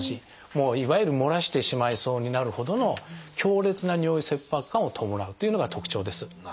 いわゆるもらしてしまいそうになるほどの強烈な尿意切迫感を伴うというのが特徴です。